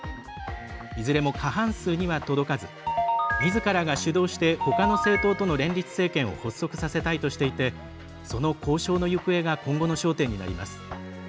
いずれも過半数には届かずみずからが主導してほかの政党との連立政権を発足させたいとしていてその交渉の行方が今後の焦点になります。